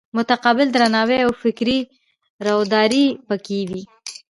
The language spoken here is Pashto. متقابل درناوی او فکري روداري پکې وي.